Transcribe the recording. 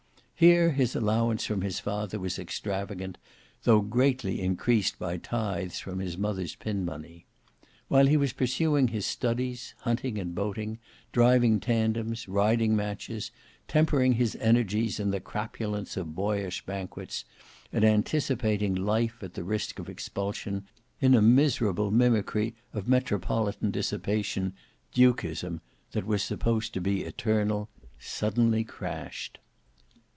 Here his allowance from his father was extravagant, though greatly increased by tithes from his mother's pin money. While he was pursuing his studies, hunting and boating, driving tandems, riding matches, tempering his energies in the crapulence of boyish banquets, and anticipating life, at the risk of expulsion, in a miserable mimicry of metropolitan dissipation, Dukism, that was supposed to be eternal, suddenly crashed.